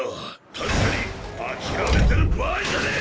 確かに諦めてる場合じゃねぇ！！